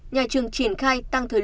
nhà trường triển khai tăng thời lượng